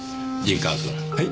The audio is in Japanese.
はい。